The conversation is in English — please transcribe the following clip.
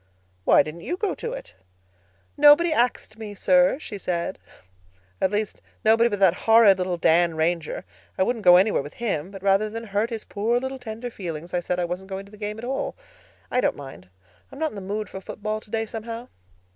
"Why didn't you go to it?" "'Nobody axed me, sir, she said'—at least, nobody but that horrid little Dan Ranger. I wouldn't go anywhere with him; but rather than hurt his poor little tender feelings I said I wasn't going to the game at all. I don't mind. I'm not in the mood for football today somehow."